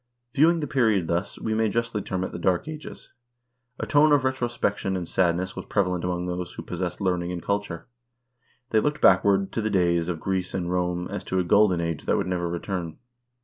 View ing the period thus, we may justly term it the Dark Ages. A tone of retrospection and sadness was prevalent among those who pos sessed learning and culture. They looked backward to the days of Greece and Rome as to a golden age that would never return.